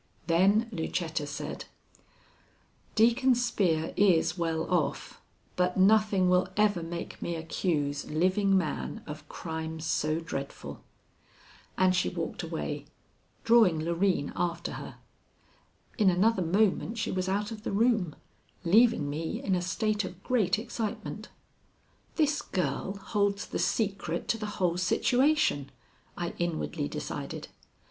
Then Lucetta said: "Deacon Spear is well off, but nothing will ever make me accuse living man of crime so dreadful." And she walked away, drawing Loreen after her. In another moment she was out of the room, leaving me in a state of great excitement. "This girl holds the secret to the whole situation," I inwardly decided.